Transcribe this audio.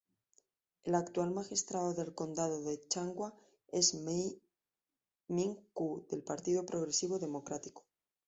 El actual magistrado del condado de Changhua es Wei Ming-ku del Partido Progresivo Democrático.